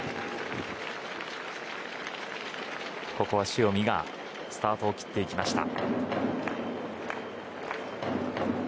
塩見がスタートを切っていました。